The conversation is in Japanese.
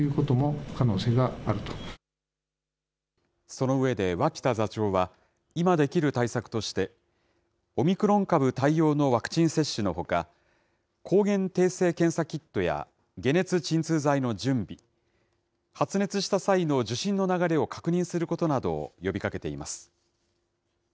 その上で、脇田座長は、今できる対策として、オミクロン株対応のワクチン接種のほか、抗原定性検査キットや解熱鎮痛剤の準備、発熱した際の受診の流れを確認することなどを呼びかけています。